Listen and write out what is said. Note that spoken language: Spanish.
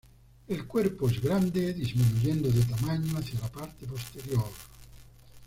El cuerpo es grande, disminuyendo de tamaño hacía la parte posterior.